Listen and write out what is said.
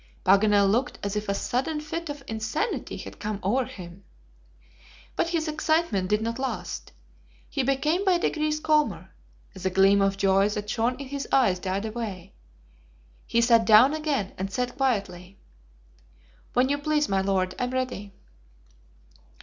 Paganel looked as if a sudden fit of insanity had come over him. But his excitement did not last. He became by degrees calmer. The gleam of joy that shone in his eyes died away. He sat down again, and said quietly: "When you please, my Lord, I am ready."